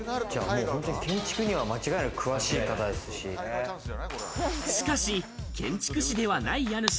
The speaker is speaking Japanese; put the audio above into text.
建築には間違いなく詳しい方しかし建築士ではない家主。